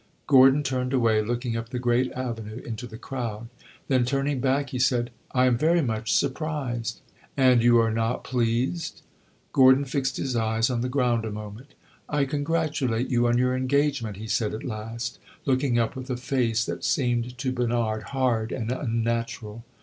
Gordon turned away, looking up the great avenue into the crowd. Then turning back, he said "I am very much surprised." "And you are not pleased!" Gordon fixed his eyes on the ground a moment. "I congratulate you on your engagement," he said at last, looking up with a face that seemed to Bernard hard and unnatural.